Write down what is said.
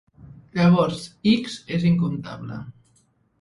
Llavors, "X" és incomptable.